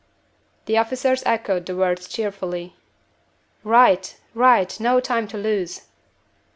The officers echoed the words cheerfully. "Right! right! No time to lose."